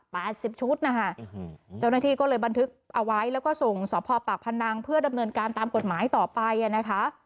สิบชุดนะคะเจ้าหน้าที่ก็เลยบันทึกเอาไว้แล้วก็ส่งสพปากพนังเพื่อดำเนินการตามกฎหมายต่อไปอ่ะนะคะ